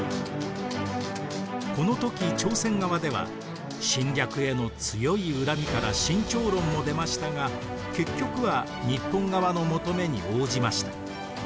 この時朝鮮側では侵略への強い恨みから慎重論も出ましたが結局は日本側の求めに応じました。